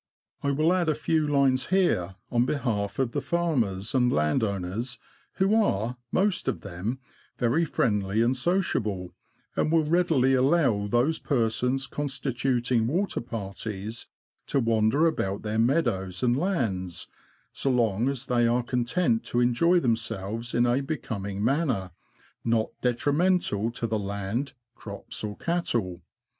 I will add a few lines here on behalf of the farmers and landowners, who are, most of them, very friendly and sociable, and will readily allow those persons constituting water parties to wander about their mea dows and lands, so long as they are content to enjoy themselves in a becoming manner, not detrimental to the land, crops, or cattle.